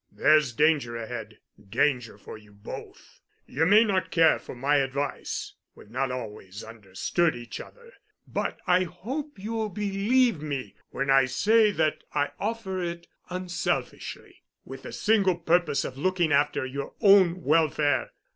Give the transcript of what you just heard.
There's danger ahead—danger for you both. You may not care for my advice—we've not always understood each other—but I hope you'll believe me when I say that I offer it unselfishly, with the single purpose of looking after your own welfare.